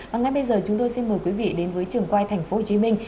và ngay bây giờ chúng tôi xin mời quý vị đến với trường quay thành phố hồ chí minh